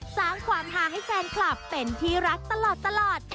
สร้างความฮาให้แฟนคลับเป็นที่รักตลอด